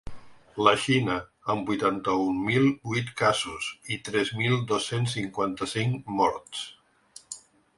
La Xina, amb vuitanta-un mil vuit casos i tres mil dos-cents cinquanta-cinc morts.